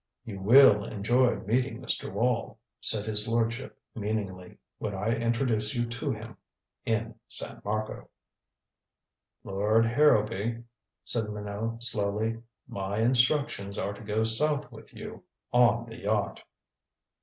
"You will enjoy meeting Mr. Wall," said his lordship meaningly, "when I introduce you to him in San Marco." "Lord Harrowby," said Minot slowly, "my instructions are to go south with you on the yacht."